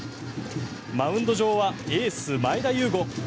マウンド上はエース、前田悠伍。